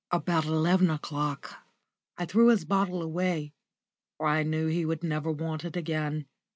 About eleven o'clock I threw his bottle away, for I knew he would never want it again.